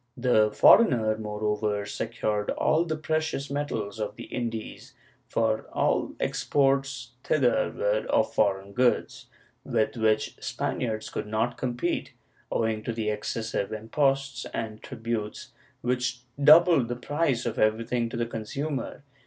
The foreigner, moreover, secured all the precious metals of the Indies, for all exports thither were of foreign goods, with which Spaniards could not compete, owing to the excessive imposts and tributes, which doubled the price of everything to the consumer.